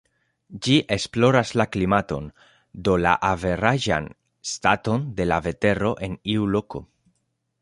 Ĝi esploras la klimaton, do la averaĝan staton de la vetero en iu loko.